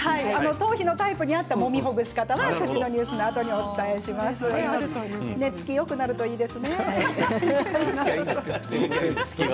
頭皮のタイプに合ったもみほぐしはニュースのあとに寝つきよくなるといいですね。